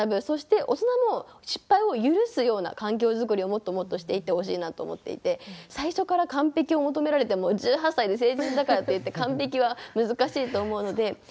そして大人も失敗を許すような環境作りをもっともっとしていってほしいなと思っていて最初から完璧を求められても１８歳で成人だからといって完璧は難しいと思うので。